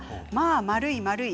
丸い、丸い。